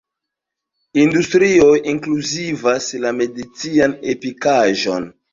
Industrioj inkluzivas la medicinan ekipaĵon.